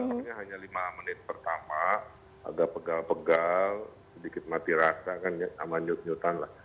artinya hanya lima menit pertama agak pegal pegal sedikit mati rasa kan sama nyutan lah